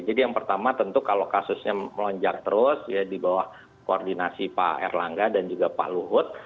jadi yang pertama tentu kalau kasusnya melonjak terus ya di bawah koordinasi pak erlangga dan juga pak luhut